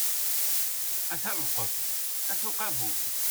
Ata lqeḍ, ata uqabub.